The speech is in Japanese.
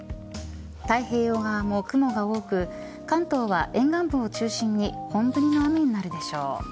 太平洋側も雲が多く、関東は沿岸部を中心に本降りの雨になるでしょう。